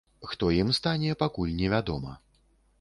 Хто ім стане, пакуль невядома.